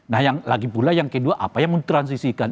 nah yang lagi pula yang kedua apa yang mentransisikan